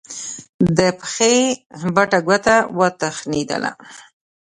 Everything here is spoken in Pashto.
د پښې بټه ګوته وتخنېده.